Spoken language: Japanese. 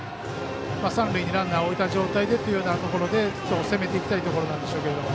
三塁にランナーを置いた状態でというところで攻めていきたいところなんでしょうけど。